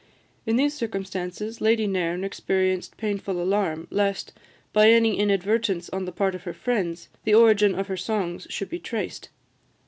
In these circumstances, Lady Nairn experienced painful alarm, lest, by any inadvertence on the part of her friends, the origin of her songs should be traced.